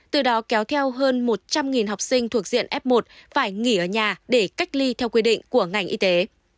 từ đó kéo theo hơn một trăm linh học sinh thuộc diện f một phải nghỉ ở nhà để cách ly theo quy định của ngành y tế